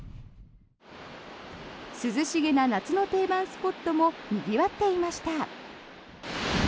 涼しげな夏の定番スポットもにぎわっていました。